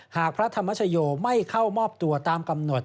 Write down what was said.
หากพระธรรมชโยไม่เข้ามอบตัวตามกำหนด